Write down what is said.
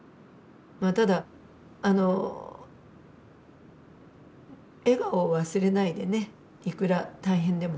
まあただあの笑顔を忘れないでねいくら大変でも。